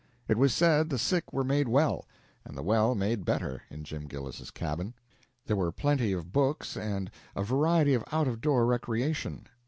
It was said the sick were made well, and the well made better, in Jim Gillis's cabin. There were plenty of books and a variety of out of door recreation.